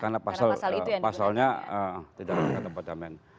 karena pasalnya tidak ada kata perdamaian